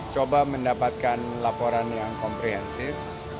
coba mendapatkan laporan yang komprehensif